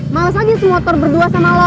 males aja semotor berdua sama lo